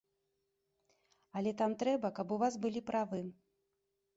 Але там трэба, каб у вас былі правы.